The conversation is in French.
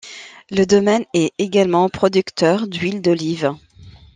Le domaine est également producteur d'huile d'olive.